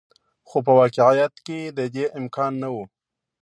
خو په واقعیت کې د دې امکان نه و.